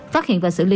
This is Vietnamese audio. phát hiện và xử lý